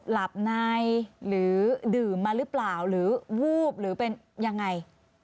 หลับในหรือดื่มมาหรือเปล่าหรือวูบหรือเป็นยังไง